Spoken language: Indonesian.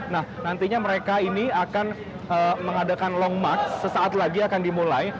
nah nantinya mereka ini akan mengadakan long march sesaat lagi akan dimulai